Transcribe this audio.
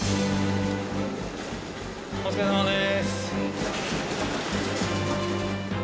お疲れさまです。